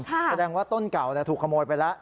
แสดงว่าต้นเก่าถูกขโมยไปแล้ว